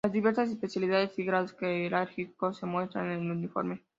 Las diversas especialidades y grados jerárquicos se muestran en el uniforme.